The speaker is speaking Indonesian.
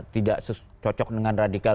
tidak cocok dengan radikal